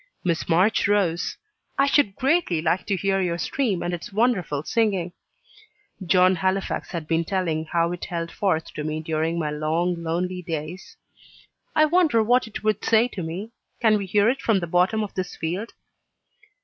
Miss March rose. "I should greatly like to hear your stream and its wonderful singing." (John Halifax had been telling how it held forth to me during my long, lonely days) "I wonder what it would say to me? Can we hear it from the bottom of this field?"